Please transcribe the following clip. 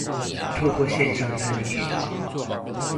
透過線上參與